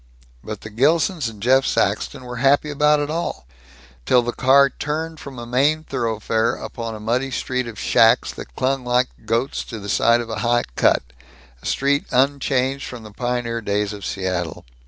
But the Gilsons and Jeff Saxton were happy about it all till the car turned from a main thoroughfare upon a muddy street of shacks that clung like goats to the sides of a high cut, a street unchanged from the pioneer days of Seattle.